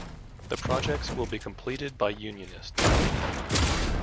The projects will be completed by unionists.